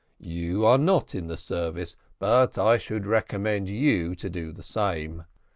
You are not in the service, but I should recommend you to do the same.